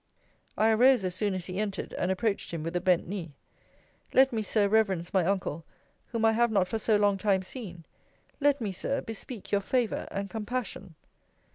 I arose, as soon as he entered and approached him with a bend knee: Let me, Sir, reverence my uncle, whom I have not for so long time seen! Let me, Sir, bespeak your favour and compassion.